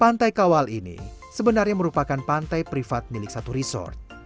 pantai kawal ini sebenarnya merupakan pantai privat milik satu resort